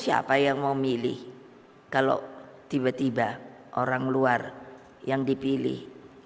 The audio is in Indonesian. siapa yang mau milih kalau tiba tiba orang luar yang dipilih